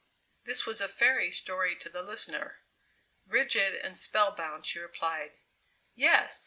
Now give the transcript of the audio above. This was a fairy story to the listener. Rigid and spellbound she replied: "Yes.